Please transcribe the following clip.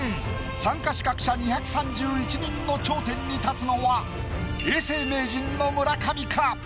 参加資格者２３１人の頂点に立つのは永世名人の村上か？